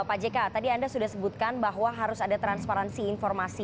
pak jk tadi anda sudah sebutkan bahwa harus ada transparansi informasi